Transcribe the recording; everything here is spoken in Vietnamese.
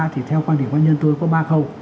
thì theo quan điểm cá nhân tôi có ba khâu